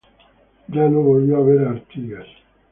Ya no volvió a ver a Artigas.